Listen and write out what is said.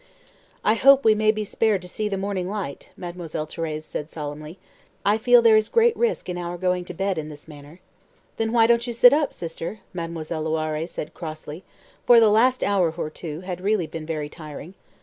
"I hope we may be spared to see the morning light," Mademoiselle Thérèse said solemnly. "I feel there is great risk in our going to bed in this manner." "Then why don't you sit up, sister?" Mademoiselle Loiré said crossly, for the last hour or two had really been very tiring.